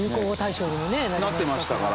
なってましたから。